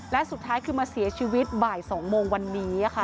และสุดท้ายคือมาเสียชีวิตบ่าย๒โมงวันนี้ค่ะ